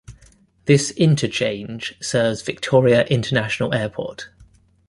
This interchange serves Victoria International Airport.